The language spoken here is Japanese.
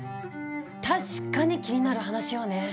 確かに気になる話よね。